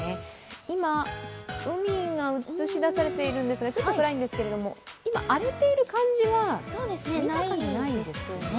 今、海が映し出されているんですがちょっと暗いんですが今、荒れている感じはなさそうですね。